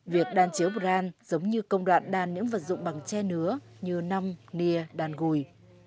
việc đan chiếu brand giống như công đoạn đan những vật dụng bằng tre nứa như nâm nìa đan gùi